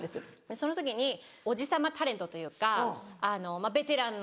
その時におじ様タレントというかあのまぁベテランの。